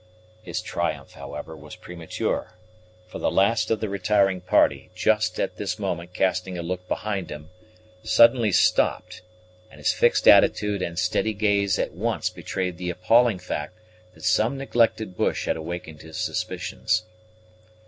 His triumph, however, was premature; for the last of the retiring party, just at this moment casting a look behind him, suddenly stopped; and his fixed attitude and steady gaze at once betrayed the appalling fact that some neglected bush had awakened his suspicions.